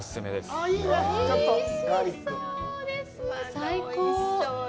最高！